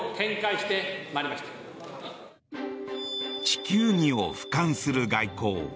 地球儀をふかんする外交。